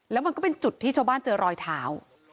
แล้วมันก็เป็นจุดที่ชาวบ้านเจอรอยเท้า